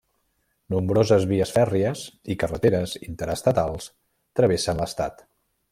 Nombroses vies fèrries i carreteres interestatals travessen l'estat.